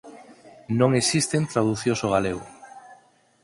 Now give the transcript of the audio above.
Non existen traducións ó galego.